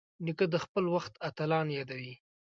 نیکه د خپل وخت اتلان یادوي.